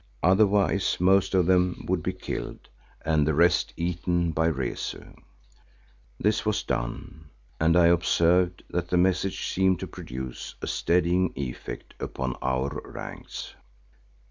Otherwise most of them would be killed and the rest eaten by Rezu. This was done, and I observed that the message seemed to produce a steadying effect upon our ranks.